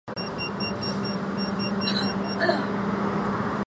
白腹隼雕为鹰科真雕属的鸟类。